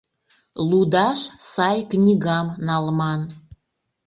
Лудаш сай книгам налман.